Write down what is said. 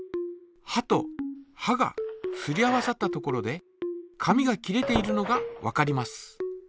はとはがすり合わさったところで紙が切れているのがわかります。